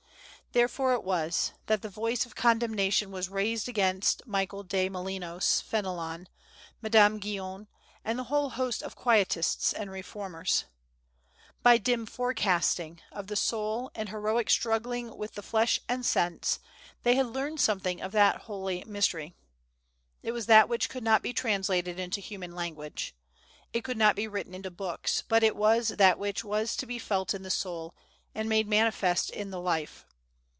Therefore it was, that the voice of condemnation was raised against Michael De Molinos, Fenelon, Madame Guyon, and the whole host of Quietists and Reformers. By dim forecastings of the soul, and heroic struggling with flesh and sense, they had learned something of that holy mystery. It was that which could not be translated into human language. It could not be written in books, but it was that which was to be felt in the soul, and made manifest in the life.